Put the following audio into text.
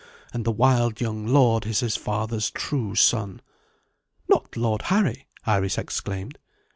And the wild young lord is his father's true son." "Not Lord Harry?" Iris exclaimed.